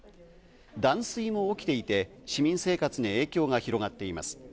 断水も起きていて、市民生活に影響が広がっています。